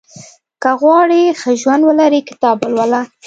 • که غواړې ښه ژوند ولرې، کتاب ولوله.